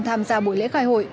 tham gia buổi lễ khai hội